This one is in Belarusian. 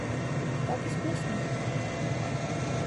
Так і з песнямі.